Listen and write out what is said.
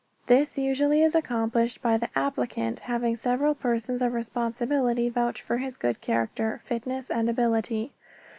This usually is accomplished by the applicant having several persons of responsibility vouch for his good character, fitness and ability.